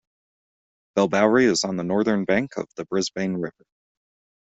Bellbowrie is on the northern bank of the Brisbane River.